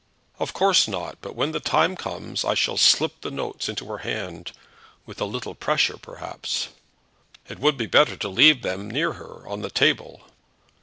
"Of course not; but when the time comes I shall slip the notes into her hand, with a little pressure perhaps." "It would be better to leave them near her on the table."